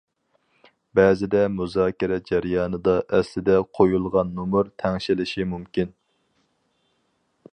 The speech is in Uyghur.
بەزىدە مۇزاكىرە جەريانىدا ئەسلىدە قويۇلغان نومۇر تەڭشىلىشى مۇمكىن.